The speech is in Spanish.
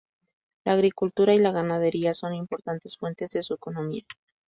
La agricultura y la ganadería son importantes fuentes de su economía.